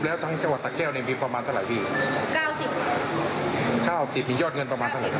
๙๐ได้๒ล้านบาท